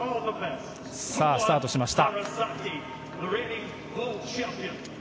さあ、スタートしました。